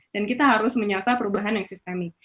dan kita harus menyelesaikan perubahan yang sistemik